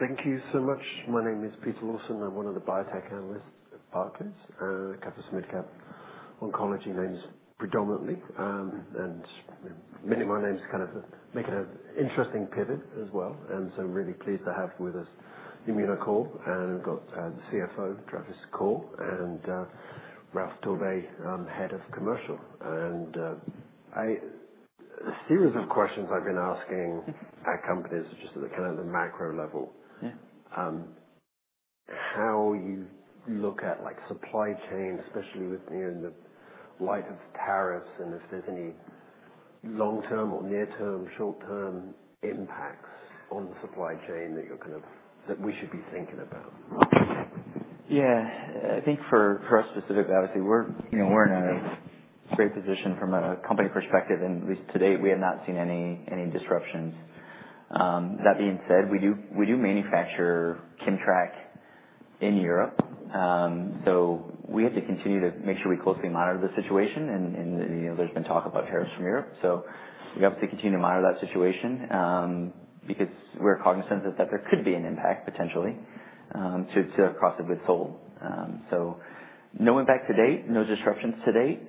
Thank you so much. My name is Peter Lawson. I'm one of the biotech analysts at Barclays. I cover some mid-cap oncology names predominantly. Many of my names kind of make an interesting pivot as well. I am really pleased to have with us Immunocore. We have the CFO, Travis Coy, and Ralph Torbay, Head of Commercial. A series of questions I have been asking at companies just at the kind of macro level: how you look at supply chain, especially in the light of tariffs, and if there is any long-term or near-term, short-term impacts on the supply chain that we should be thinking about. Yeah. I think for us specifically, obviously, we're in a great position from a company perspective. At least to date, we have not seen any disruptions. That being said, we do manufacture KIMMTRAK in Europe. We have to continue to make sure we closely monitor the situation. There has been talk about tariffs from Europe. We have to continue to monitor that situation because we're cognizant that there could be an impact potentially to the cost of goods sold. No impact to date, no disruptions to date,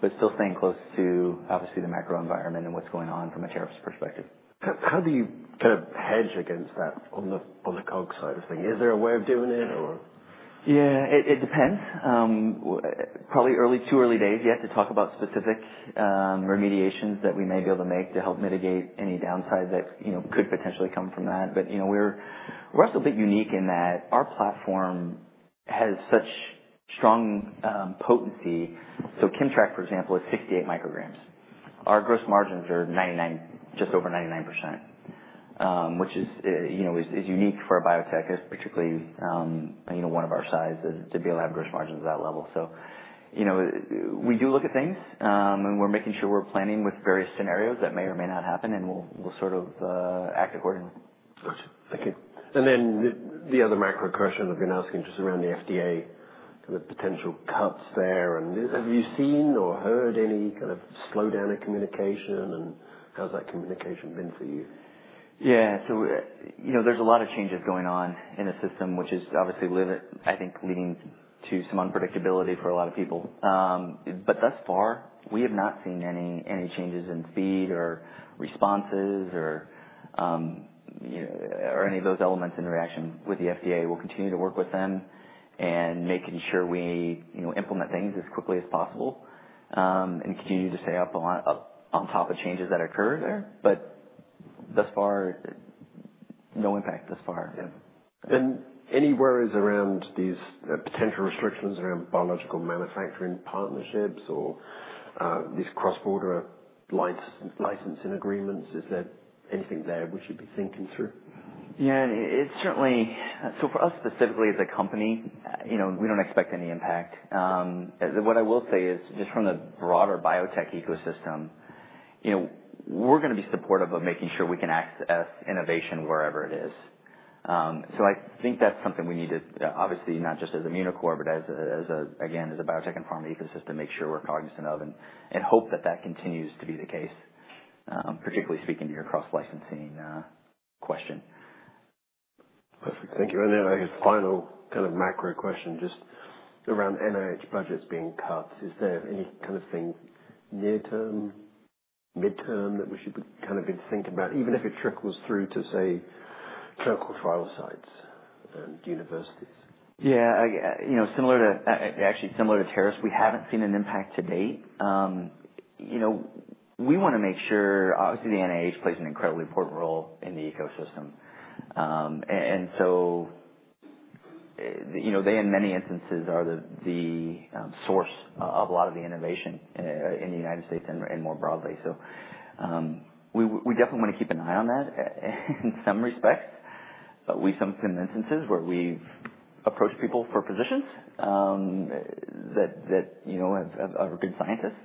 but still staying close to, obviously, the macro environment and what's going on from a tariffs perspective. How do you kind of hedge against that on the COGS side of things? Is there a way of doing it, or? Yeah. It depends. Probably too early days yet to talk about specific remediations that we may be able to make to help mitigate any downside that could potentially come from that. We're also a bit unique in that our platform has such strong potency. KIMMTRAK, for example, is 68 mcg. Our gross margins are just over 99%, which is unique for a biotech, particularly one of our size, to be able to have gross margins at that level. We do look at things, and we're making sure we're planning with various scenarios that may or may not happen, and we'll sort of act accordingly. Gotcha. Thank you. The other macro question I've been asking just around the FDA, kind of potential cuts there. Have you seen or heard any kind of slowdown in communication, and how's that communication been for you? Yeah. There is a lot of changes going on in the system, which is obviously, I think, leading to some unpredictability for a lot of people. But thus far, we have not seen any changes in speed or responses or any of those elements in the reaction with the FDA. We'll continue to work with them and make sure we implement things as quickly as possible and continue to stay up on top of changes that occur there. But thus far, no impact thus far. Yeah. Any worries around these potential restrictions around biological manufacturing partnerships or these cross-border licensing agreements? Is there anything there we should be thinking through? Yeah. For us specifically as a company, we do not expect any impact. What I will say is just from the broader biotech ecosystem, we are going to be supportive of making sure we can access innovation wherever it is. I think that is something we need to, obviously, not just as Immunocore, but again, as a biotech and pharma ecosystem, make sure we are cognizant of and hope that that continues to be the case, particularly speaking to your cross-licensing question. Perfect. Thank you. I guess final kind of macro question just around NIH budgets being cut. Is there any kind of thing near-term, mid-term that we should be kind of thinking about, even if it trickles through to, say, clinical trial sites and universities? Yeah. Actually, similar to tariffs, we haven't seen an impact to date. We want to make sure, obviously, the NIH plays an incredibly important role in the ecosystem. They, in many instances, are the source of a lot of the innovation in the United States and more broadly. We definitely want to keep an eye on that in some respects. We've had some instances where we've approached people for positions that are good scientists.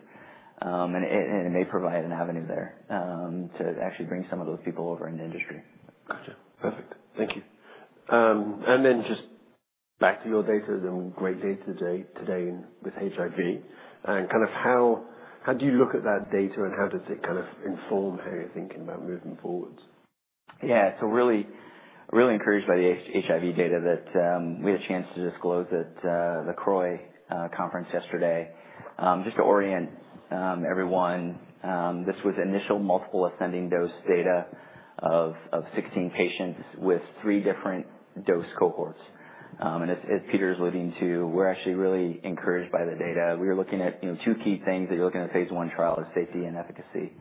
It may provide an avenue there to actually bring some of those people over into industry. Gotcha. Perfect. Thank you. Just back to your data, the great data today with HIV. Kind of how do you look at that data, and how does it kind of inform how you're thinking about moving forward? Yeah. Really encouraged by the HIV data that we had a chance to disclose at the CROI Conference yesterday. Just to orient everyone, this was initial multiple ascending dose data of 16 patients with three different dose cohorts. As Peter is alluding to, we're actually really encouraged by the data. We are looking at two key things that you're looking at in the phase I trial: safety and efficacy.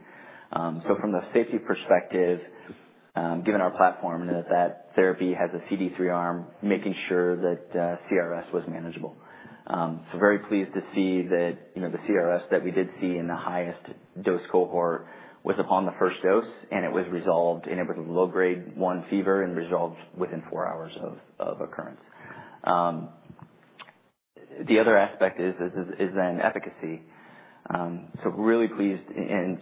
From the safety perspective, given our platform and that that therapy has a CD3 arm, making sure that CRS was manageable. Very pleased to see that the CRS that we did see in the highest dose cohort was upon the first dose, and it was resolved, and it was a low-grade one fever and resolved within four hours of occurrence. The other aspect is then efficacy. Really pleased.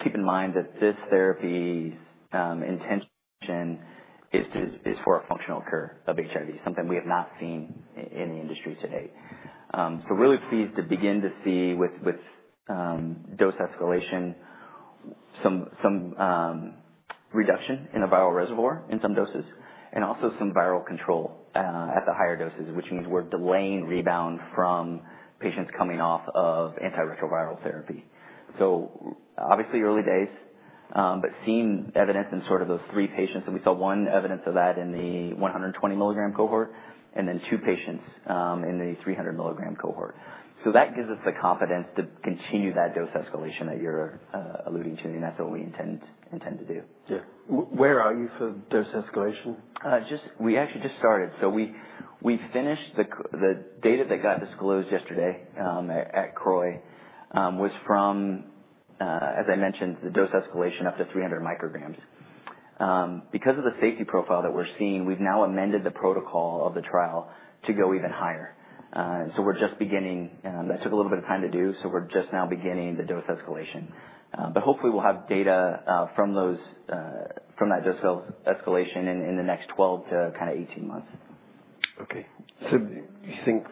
Keep in mind that this therapy's intention is for a functional cure of HIV, something we have not seen in the industry to date. I am really pleased to begin to see with dose escalation some reduction in the viral reservoir in some doses and also some viral control at the higher doses, which means we are delaying rebound from patients coming off of antiretroviral therapy. Obviously early days, but seeing evidence in sort of those three patients. We saw one evidence of that in the 120-milligram cohort and then two patients in the 300-milligram cohort. That gives us the confidence to continue that dose escalation that you are alluding to. That is what we intend to do. Yeah. Where are you for dose escalation? We actually just started. We finished the data that got disclosed yesterday at CROI was from, as I mentioned, the dose escalation up to 300 micrograms. Because of the safety profile that we're seeing, we've now amended the protocol of the trial to go even higher. We're just beginning. That took a little bit of time to do. We're just now beginning the dose escalation. Hopefully, we'll have data from that dose escalation in the next 12 months-18 months. Okay. So you think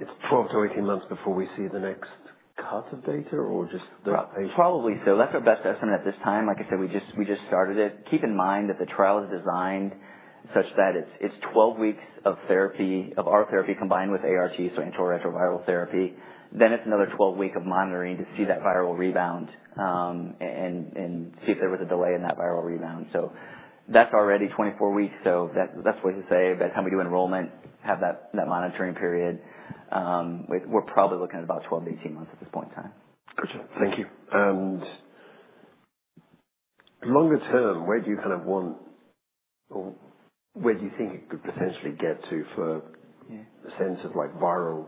it's 12 months-18 months before we see the next cut of data or just the patient? Probably so. That's our best estimate at this time. Like I said, we just started it. Keep in mind that the trial is designed such that it's 12 weeks of our therapy combined with ART, so antiretroviral therapy. It is another 12 weeks of monitoring to see that viral rebound and see if there was a delay in that viral rebound. That is already 24 weeks. That is what I say. By the time we do enrollment, have that monitoring period, we're probably looking at about 12-18 months at this point in time. Gotcha. Thank you. Longer term, where do you kind of want or where do you think it could potentially get to for a sense of viral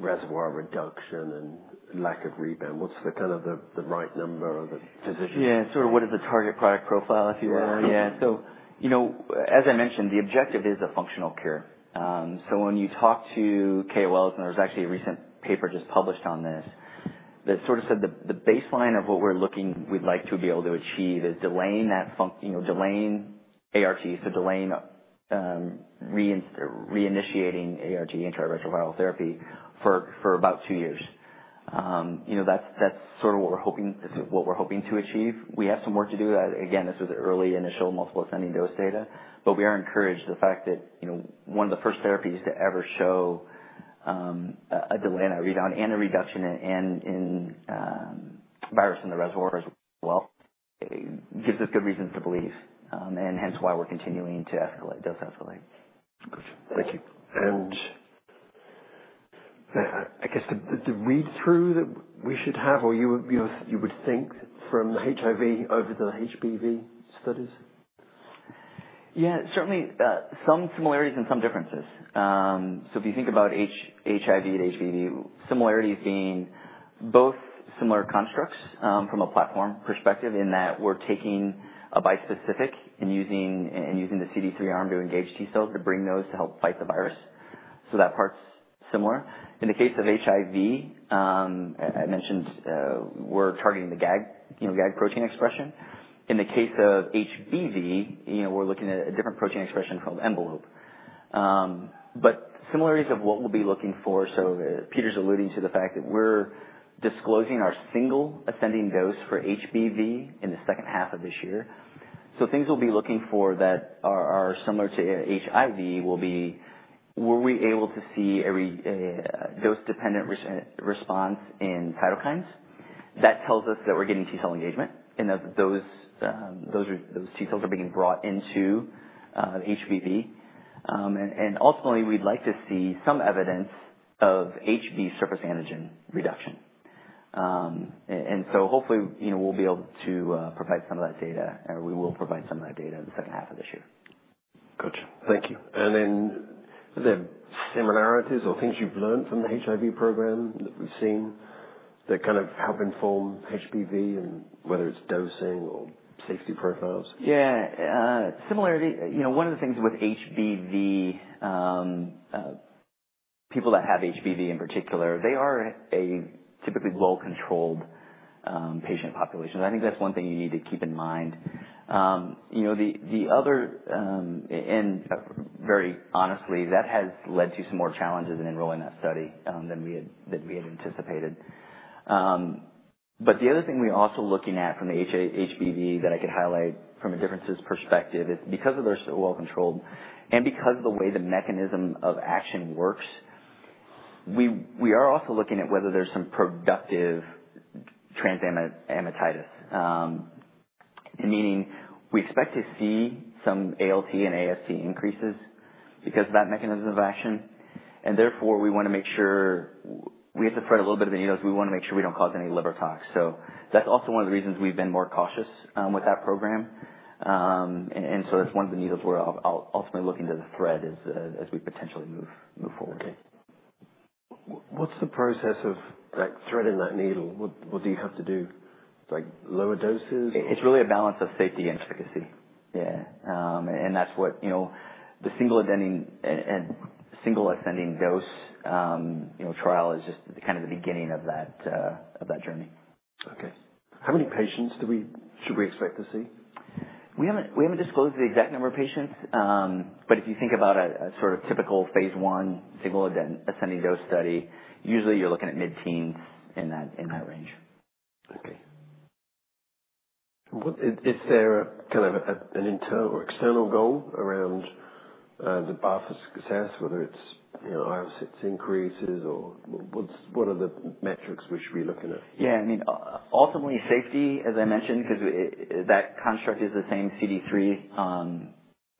reservoir reduction and lack of rebound? What's kind of the right number or the position? Yeah. Sort of what is the target product profile, if you will? Yeah. As I mentioned, the objective is a functional cure. When you talk to KOLs, and there was actually a recent paper just published on this that sort of said the baseline of what we're looking we'd like to be able to achieve is delaying ART, so delaying reinitiating ART, antiretroviral therapy, for about two years. That's sort of what we're hoping to achieve. We have some work to do. Again, this was early initial multiple ascending dose data. We are encouraged the fact that one of the first therapies to ever show a delay in that rebound and a reduction in virus in the reservoir as well gives us good reasons to believe. Hence why we're continuing to escalate, dose escalate. Gotcha. Thank you. I guess the read-through that we should have or you would think from the HIV over the HBV studies? Yeah. Certainly some similarities and some differences. If you think about HIV and HBV, similarities being both similar constructs from a platform perspective in that we're taking a bispecific and using the CD3 arm to engage T cells to bring those to help fight the virus. That part's similar. In the case of HIV, I mentioned we're targeting the GAG protein expression. In the case of HBV, we're looking at a different protein expression called envelope. Similarities of what we'll be looking for, Peter's alluding to the fact that we're disclosing our single ascending dose for HBV in the second half of this year. Things we'll be looking for that are similar to HIV will be, were we able to see a dose-dependent response in cytokines? That tells us that we're getting T cell engagement and that those T cells are being brought into HBV. Ultimately, we'd like to see some evidence of HB surface antigen reduction. Hopefully, we'll be able to provide some of that data, or we will provide some of that data in the second half of this year. Gotcha. Thank you. Are there similarities or things you've learned from the HIV program that we've seen that kind of help inform HBV and whether it's dosing or safety profiles? Yeah. One of the things with HBV, people that have HBV in particular, they are a typically well-controlled patient population. I think that's one thing you need to keep in mind. The other end, very honestly, that has led to some more challenges in enrolling that study than we had anticipated. The other thing we're also looking at from the HBV that I could highlight from a differences perspective is because they're so well-controlled and because of the way the mechanism of action works, we are also looking at whether there's some productive transaminitis, meaning we expect to see some ALT and AST increases because of that mechanism of action. Therefore, we want to make sure we have to thread a little bit of the needles. We want to make sure we don't cause any liver tox. That's also one of the reasons we've been more cautious with that program. That's one of the needles we're ultimately looking to thread as we potentially move forward. Okay. What's the process of threading that needle? What do you have to do? Lower doses? It's really a balance of safety and efficacy. Yeah. That's what the single ascending dose trial is, just kind of the beginning of that journey. Okay. How many patients should we expect to see? We haven't disclosed the exact number of patients. If you think about a sort of typical phase I single ascending dose study, usually you're looking at mid-teens in that range. Okay. Is there kind of an internal or external goal around the BAFSA success, whether it's irAEs increases or what are the metrics we should be looking at? Yeah. I mean, ultimately, safety, as I mentioned, because that construct is the same CD3.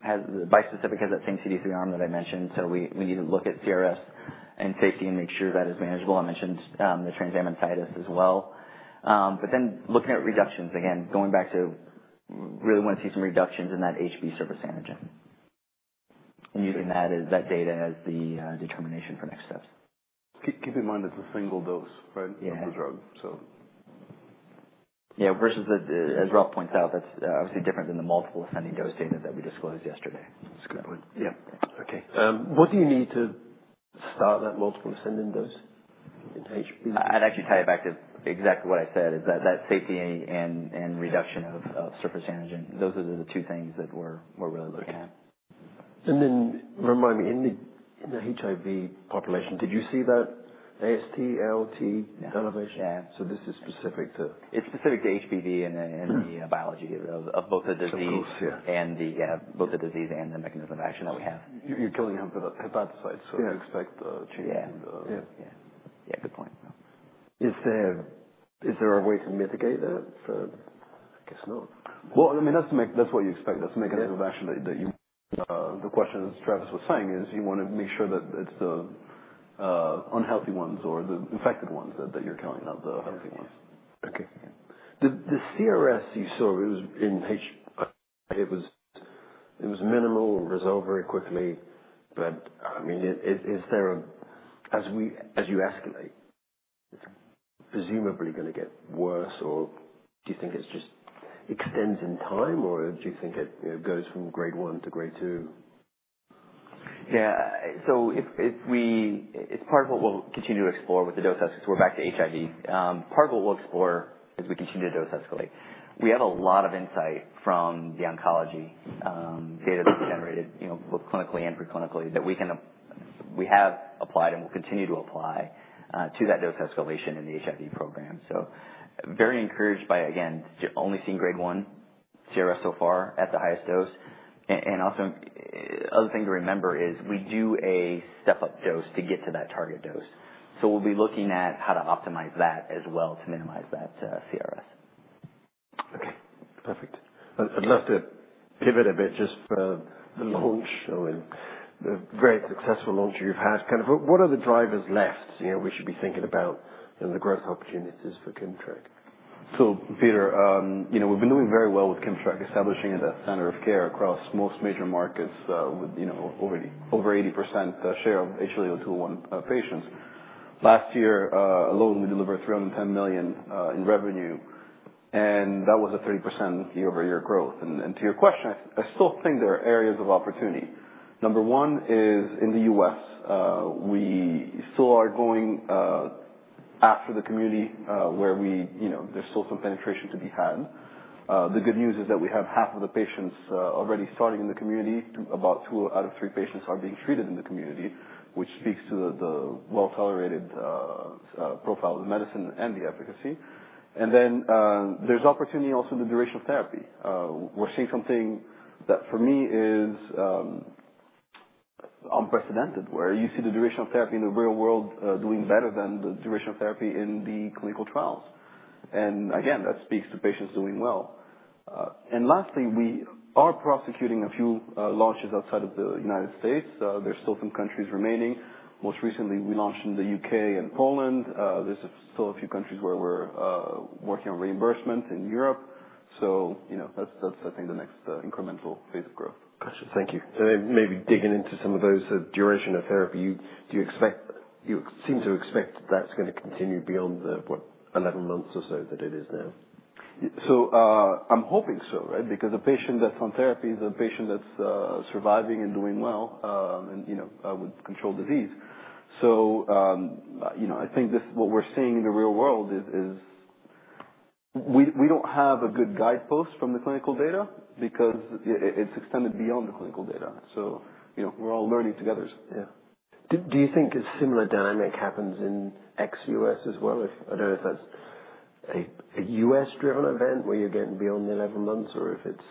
The bispecific has that same CD3 arm that I mentioned. We need to look at CRS and safety and make sure that is manageable. I mentioned the transaminitis as well. Again, going back to really want to see some reductions in that HB surface antigen and using that data as the determination for next steps. Keep in mind it's a single dose, right, of the drug, so. Yeah. Versus, as Ralph points out, that's obviously different than the multiple ascending dose data that we disclosed yesterday. That's a good point. Yeah. Okay. What do you need to start that multiple ascending dose in HBV? I'd actually tie it back to exactly what I said, is that safety and reduction of surface antigen. Those are the two things that we're really looking at. Remind me, in the HIV population, did you see that AST, ALT elevation? Yeah. This is specific to. It's specific to HBV and the biology of both the disease. Some cause, yeah. Yeah. Both the disease and the mechanism of action that we have. You're killing hepatocytes, so you expect changes in the. Yeah. Yeah. Good point. Is there a way to mitigate that? I guess not. I mean, that's what you expect. That's the mechanism of action. The question Travis was saying is you want to make sure that it's the unhealthy ones or the infected ones that you're killing, not the healthy ones. Yes. Okay. The CRS you saw, it was minimal. It resolved very quickly. I mean, as you escalate, it's presumably going to get worse, or do you think it just extends in time, or do you think it goes from grade I to grade II? Yeah. It is part of what we will continue to explore with the dose escalation. We are back to HIV. Part of what we will explore as we continue to dose escalate. We have a lot of insight from the oncology data that is generated both clinically and preclinically that we have applied and will continue to apply to that dose escalation in the HIV program. Very encouraged by, again, only seeing grade one CRS so far at the highest dose. Also, other thing to remember is we do a step-up dose to get to that target dose. We will be looking at how to optimize that as well to minimize that CRS. Okay. Perfect. I'd love to pivot a bit just for the launch and the very successful launch you've had. Kind of what are the drivers left we should be thinking about in the growth opportunities for KIMMTRAK? Peter, we've been doing very well with KIMMTRAK, establishing it as a center of care across most major markets with over 80% share of HLA-A*2:01 patients. Last year alone, we delivered $310 million in revenue, and that was a 30% year-over-year growth. To your question, I still think there are areas of opportunity. Number one is in the U.S. We still are going after the community where there's still some penetration to be had. The good news is that we have half of the patients already starting in the community. About two out of three patients are being treated in the community, which speaks to the well-tolerated profile of the medicine and the efficacy. There is opportunity also in the duration of therapy. We are seeing something that for me is unprecedented where you see the duration of therapy in the real world doing better than the duration of therapy in the clinical trials. That speaks to patients doing well. Lastly, we are prosecuting a few launches outside of the United States. There are still some countries remaining. Most recently, we launched in the U.K. and Poland. There are still a few countries where we are working on reimbursement in Europe. That is, I think, the next incremental phase of growth. Gotcha. Thank you. Maybe digging into some of those duration of therapy, do you seem to expect that's going to continue beyond what, 11 months or so that it is now? I'm hoping so, right? Because a patient that's on therapy is a patient that's surviving and doing well and with controlled disease. I think what we're seeing in the real world is we don't have a good guidepost from the clinical data because it's extended beyond the clinical data. We're all learning together. Yeah. Do you think a similar dynamic happens in ex-U.S. as well? I don't know if that's a U.S.-driven event where you're getting beyond 11 months or if it's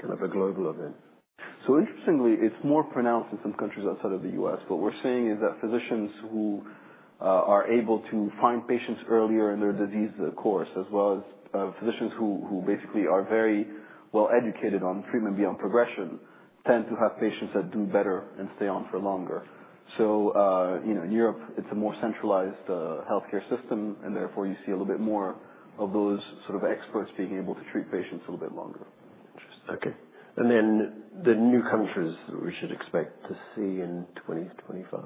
kind of a global event. Interestingly, it's more pronounced in some countries outside of the U.S.. What we're seeing is that physicians who are able to find patients earlier in their disease course as well as physicians who basically are very well-educated on treatment beyond progression tend to have patients that do better and stay on for longer. In Europe, it's a more centralized healthcare system, and therefore you see a little bit more of those sort of experts being able to treat patients a little bit longer. Interesting. Okay. Then the new countries we should expect to see in 2025?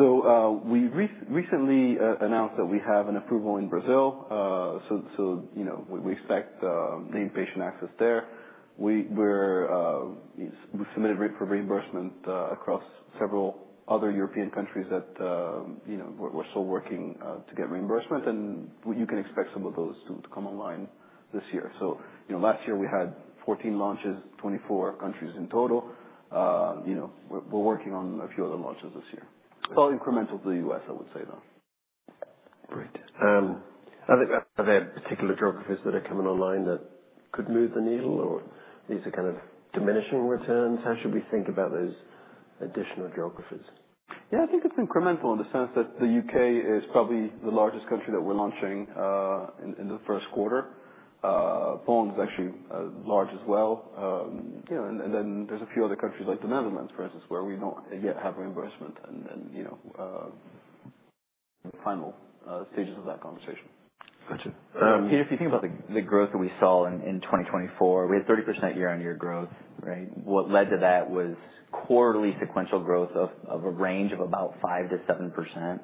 We recently announced that we have an approval in Brazil. We expect inpatient access there. We submitted for reimbursement across several other European countries that we're still working to get reimbursement. You can expect some of those to come online this year. Last year, we had 14 launches, 24 countries in total. We're working on a few other launches this year. It's all incremental to the U.S., I would say, though. Great. Are there particular geographies that are coming online that could move the needle, or these are kind of diminishing returns? How should we think about those additional geographies? Yeah. I think it's incremental in the sense that the U.K. is probably the largest country that we're launching in the first quarter. Poland is actually large as well. And then there's a few other countries like the Netherlands, for instance, where we don't yet have reimbursement and the final stages of that conversation. Gotcha. Peter, if you think about the growth that we saw in 2024, we had 30% year-on-year growth, right? What led to that was quarterly sequential growth of a range of about 5%-7%.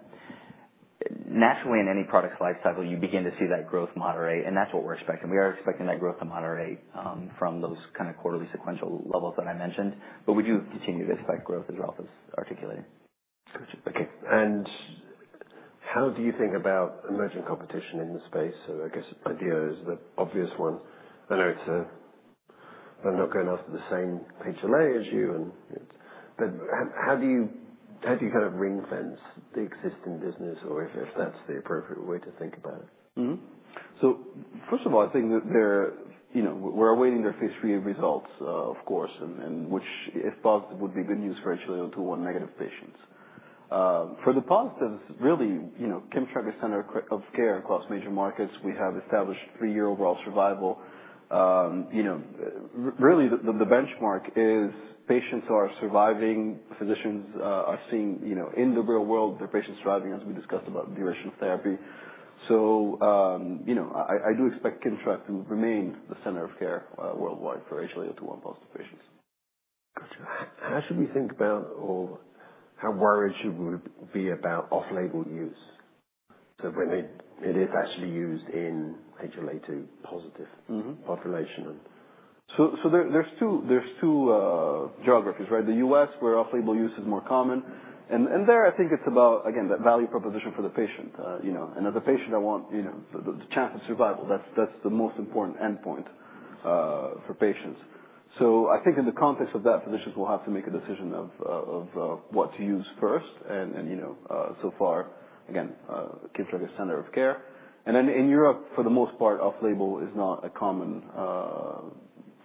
Naturally, in any product's lifecycle, you begin to see that growth moderate, and that's what we're expecting. We are expecting that growth to moderate from those kind of quarterly sequential levels that I mentioned. We do continue to expect growth, as Ralph was articulating. Gotcha. Okay. How do you think about emerging competition in the space? I guess the IDEAYA is the obvious one. I know I'm not going off to the same page as you, but how do you kind of ring-fence the existing business, or if that's the appropriate way to think about it? First of all, I think that we're awaiting their phase III results, of course, which, if positive, would be good news for HLA-A*2:01 negative patients. For the positives, really, KIMMTRAK is a center of care across major markets. We have established three-year overall survival. Really, the benchmark is patients are surviving. Physicians are seeing in the real world their patients surviving, as we discussed about duration of therapy. I do expect KIMMTRAK to remain the center of care worldwide for HLA-A*2:01 positive patients. Gotcha. How should we think about or how worried should we be about off-label use when it is actually used in HBV-positive population? There are two geographies, right? The US, where off-label use is more common. There, I think it's about, again, that value proposition for the patient. As a patient, I want the chance of survival. That's the most important endpoint for patients. I think in the context of that, physicians will have to make a decision of what to use first. So far, again, KIMMTRAK is a center of care. In Europe, for the most part, off-label is not a common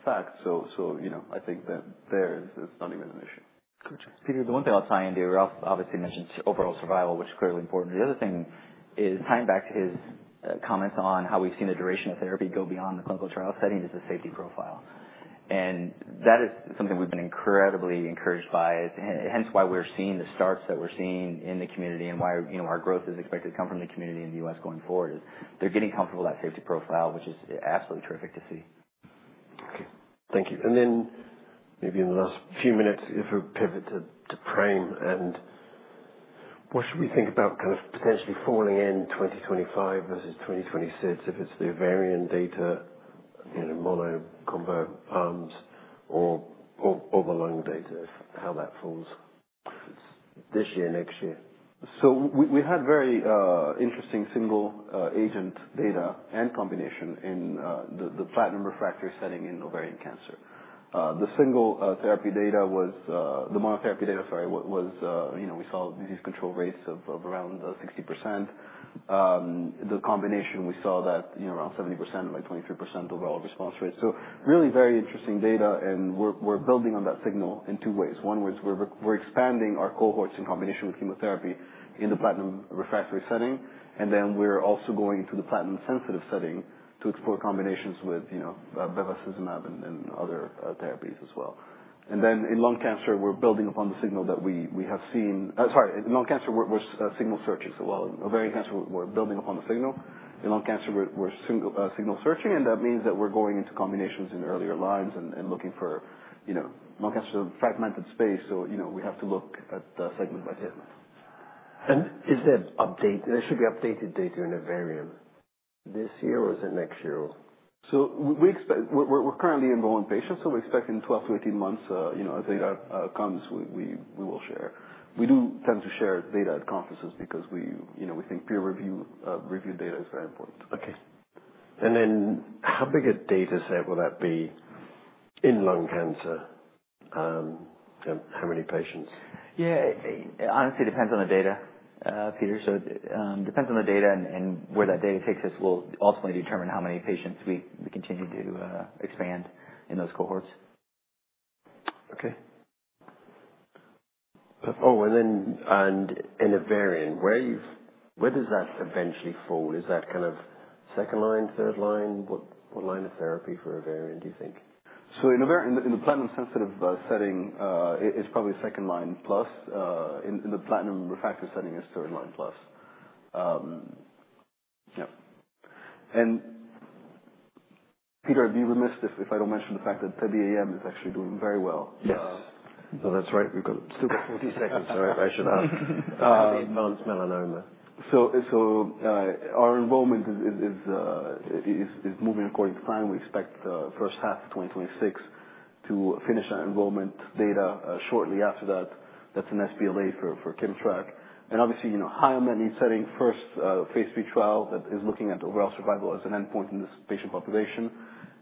fact. I think that there it's not even an issue. Gotcha. Peter, the one thing I'll tie into Ralph obviously mentioned overall survival, which is clearly important. The other thing is tying back to his comments on how we've seen the duration of therapy go beyond the clinical trial setting is the safety profile. That is something we've been incredibly encouraged by, hence why we're seeing the starts that we're seeing in the community and why our growth is expected to come from the community in the U.S. going forward is they're getting comfortable with that safety profile, which is absolutely terrific to see. Okay. Thank you. Maybe in the last few minutes, if we pivot to PRAME, what should we think about potentially falling in 2025 versus 2026, if it is the ovarian data, mono combo arms, or the lung data, how that falls this year, next year? We have had very interesting single-agent data and combination in the platinum refractory setting in ovarian cancer. The single-mono therapy data, sorry, was we saw disease control rates of around 60%. The combination, we saw that around 70% and like 23% overall response rate. Really very interesting data, and we are building on that signal in two ways. One was we are expanding our cohorts in combination with chemotherapy in the platinum refractory setting, and then we are also going into the platinum-sensitive setting to explore combinations with bevacizumab and other therapies as well. In lung cancer, we are building upon the signal that we have seen. Sorry. In lung cancer, we are signal searching. While in ovarian cancer, we are building upon the signal. In lung cancer, we're signal searching, and that means that we're going into combinations in earlier lines and looking for lung cancer is a fragmented space, so we have to look at segment by segment. Is there update? There should be updated data in ovarian this year, or is it next year, or? We are currently enrolling patients, so we expect in 12 months-18 months, as data comes, we will share. We do tend to share data at conferences because we think peer-reviewed data is very important. Okay. How big a data set will that be in lung cancer? How many patients? Yeah. Honestly, it depends on the data, Peter. It depends on the data, and where that data takes us will ultimately determine how many patients we continue to expand in those cohorts. Okay. Oh, and then in ovarian, where does that eventually fall? Is that kind of second line, third line? What line of therapy for ovarian, do you think? In the platinum-sensitive setting, it's probably second line plus. In the platinum refractory setting, it's third line plus. Yeah. Peter, I'd be remiss if I don't mention the fact that TEBE-AM is actually doing very well. Yes. No, that's right. We've still got 40 seconds, so I should ask. TEBE advanced melanoma. Our enrollment is moving according to time. We expect the first half of 2026 to finish our enrollment, data shortly after that. That is an sBLA for KIMMTRAK. Obviously, high on med needs setting, first phase III trial that is looking at overall survival as an endpoint in this patient population.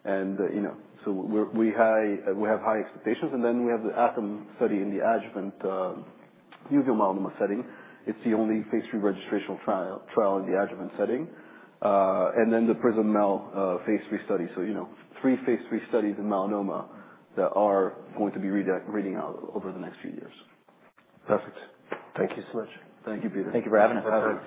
We have high expectations. We have the ATOM study in the adjuvant uveal melanoma setting. It is the only phase III registration trial in the adjuvant setting. The PRISM-MEL phase III study. Three phase III studies in melanoma that are going to be reading out over the next few years. Perfect. Thank you so much. Thank you, Peter. Thank you for having us. Have a.